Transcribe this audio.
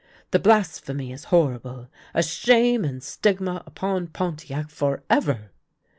" The blasphemy is horrible, a shame and stigma upon Pon tiac forever."